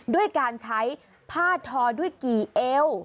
ด้วยการใช้ผ้าทอด้วยกี่เอว